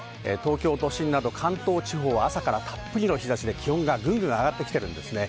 東京都心など関東地方、朝からたっぷりの日差しで気温が上がっています。